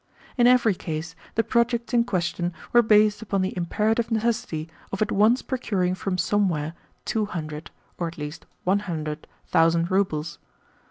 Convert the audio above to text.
In every case the projects in question were based upon the imperative necessity of at once procuring from somewhere two hundred or at least one hundred thousand roubles.